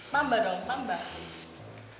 tambah dong tambah